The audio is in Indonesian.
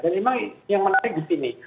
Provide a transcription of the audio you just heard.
dan memang yang menarik disini